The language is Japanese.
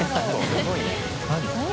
すごいね。